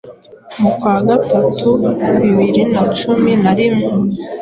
mu kwa gatatu bibiri nacumi narimwe